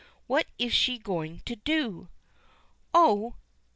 What is she going to do? "Oh!